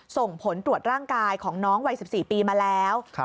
ส่งผลตรวจร่างกายของน้องวัย๑๔ปีมาแล้ว